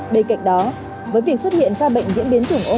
bên cạnh đó với việc xuất hiện ca bệnh diễn biến chủng ôm